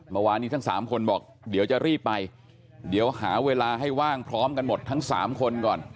เมื่อวานนี้ทั้ง๓คนบอกเดี๋ยวจะรีบไปเดี๋ยวหาเวลาให้ว่างพร้อมกันหมดทั้ง๓คนก่อน